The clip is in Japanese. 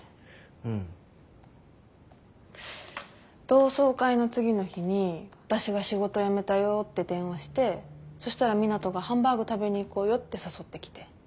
同窓会の次の日に私が仕事辞めたよって電話してそしたら湊斗がハンバーグ食べに行こうよって誘ってきて。